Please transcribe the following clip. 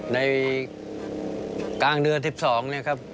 ในกลางเดือนที่สอง